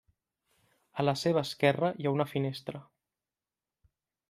A la seva esquerra hi ha una finestra.